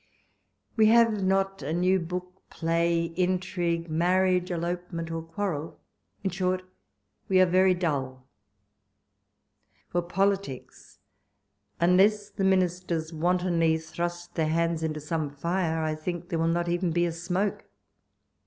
We have not a new book, play, intrigue, mar riage, elopement, or quarrel ; in short, we are 104 walpole's letters. very dull. For politics, unless the ministers "wantonly thrust their hands into some fire, I think there will not even be a smoke.